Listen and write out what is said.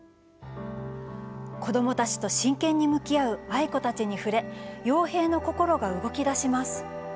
子どもたちと真剣に向き合う藍子たちに触れ陽平の心が動きだします。